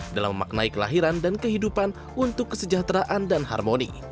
dalam memaknai kelahiran dan kehidupan untuk kesejahteraan dan harmoni